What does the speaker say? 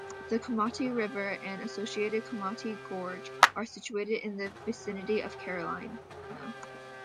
The Komati River and associated Komati Gorge are situated in the vicinity of Carolina.